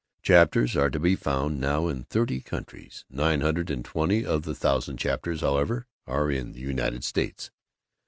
Chapters are to be found now in thirty countries. Nine hundred and twenty of the thousand chapters, however, are in the United States.